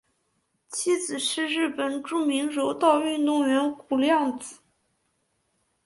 妻子是日本著名柔道运动员谷亮子。